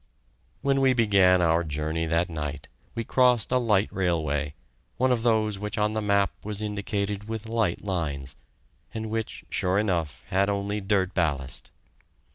When we began our journey that night, we crossed a light railway, one of those which on the map was indicated with light lines, and which, sure enough, had only dirt ballast.